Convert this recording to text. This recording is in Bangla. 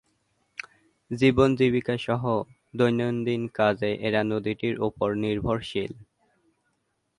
জীবন-জীবিকাসহ দৈনন্দিন কাজে এরা নদীটির ওপর নির্ভরশীল।